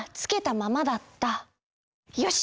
よし！